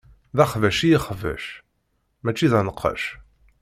D axbac i ixebbec, mačči d anqac.